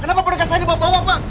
kenapa pedagang saya dibawa bawa pak